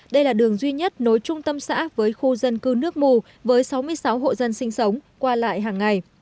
đây là đường duy nhất nối trung tâm xã với khu dân cư nước mù với sáu mươi sáu hộ dân sinh sống qua lại hàng ngày